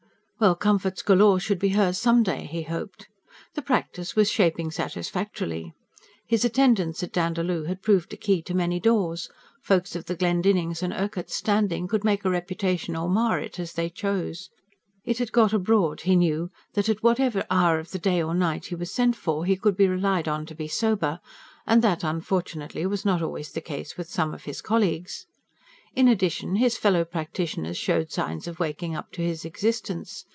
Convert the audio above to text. Well, comforts galore should be hers some day, he hoped. The practice was shaping satisfactorily. His attendance at Dandaloo had proved a key to many doors: folk of the Glendinnings' and Urquharts' standing could make a reputation or mar it as they chose. It had got abroad, he knew, that at whatever hour of the day or night he was sent for, he could be relied on to be sober; and that unfortunately was not always the case with some of his colleagues. In addition his fellow practitioners showed signs of waking up to his existence.